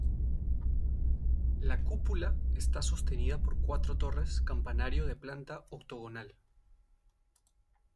La cúpula está sostenida por cuatro torres campanario de planta octogonal.